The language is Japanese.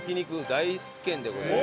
大好き県でございます。